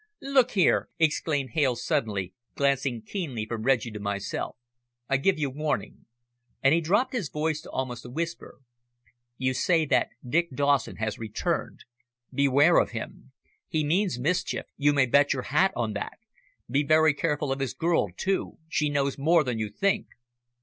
"Look here," exclaimed Hales, suddenly, glancing keenly from Reggie to myself, "I give you warning," and he dropped his voice to almost a whisper. "You say that Dick Dawson has returned beware of him. He means mischief, you may bet your hat on that! Be very careful of his girl, too, she knows more than you think."